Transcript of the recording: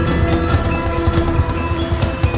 aku akan menjaga mereka